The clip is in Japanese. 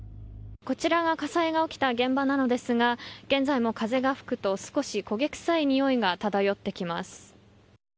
こちらが火災が起きた現場なのですが現在も風が吹くと少し焦げ臭いにおいが漂ってきます。